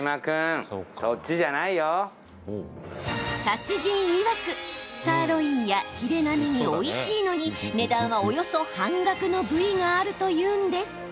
達人いわくサーロインやヒレ並においしいのに値段はおよそ半額の部位があるというんです。